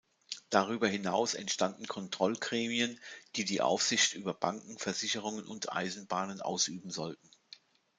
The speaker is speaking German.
Darüber hinaus entstanden Kontrollgremien, die die Aufsicht über Banken, Versicherungen und Eisenbahnen ausüben sollten.